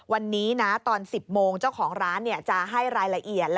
วันนี้นะตอน๑๐โมงเจ้าของร้านจะให้รายละเอียด